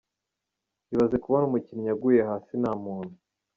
Ibaze kubona umukinnyi aguye hasi nta muntu.